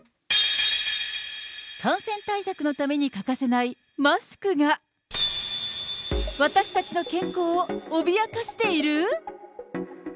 感染対策のために欠かせないマスクが、私たちの健康を脅かしている？